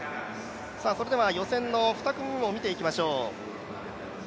予選の２組目も見ていきましょう。